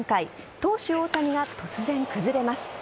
投手・大谷が突然崩れます。